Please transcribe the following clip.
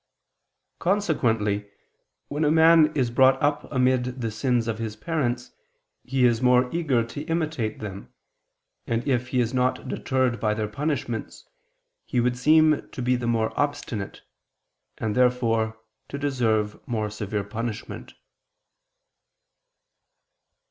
Consequently when a man is brought up amid the sins of his parents, he is more eager to imitate them, and if he is not deterred by their punishments, he would seem to be the more obstinate, and, therefore, to deserve more severe punishment.